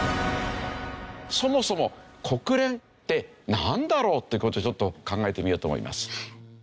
そもそも国連ってなんだろうって事をちょっと考えてみようと思います。